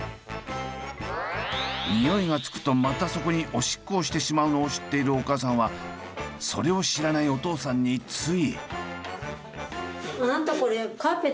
ニオイがつくとまたそこにおしっこをしてしまうのを知っているお母さんはそれを知らないお父さんについ。